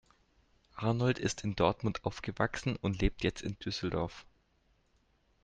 Arnold ist in Dortmund aufgewachsen und lebt jetzt in Düsseldorf.